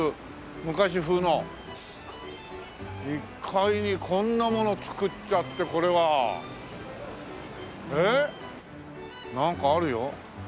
１階にこんなもの造っちゃってこれは。えっ？なんかあるよ。